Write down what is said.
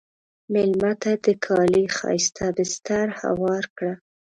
مېلمه ته د کالي ښایسته بستر هوار کړه.